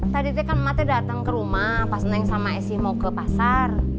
tadi itu kan emaknya datang ke rumah pas neng sama esi mau ke pasar